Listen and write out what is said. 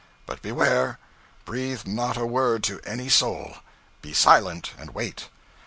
But beware breathe not a word to any soul. Be silent, and wait.